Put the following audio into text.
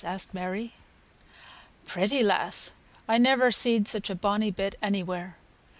asked Mary. "Pretty, lass! I never seed such a bonny bit anywhere.